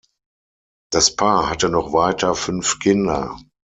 Das Paar hatte noch weiter fünf Kinder.